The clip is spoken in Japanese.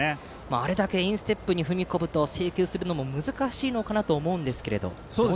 あれだけインステップに踏み込むと制球するのも難しいかと思いますが。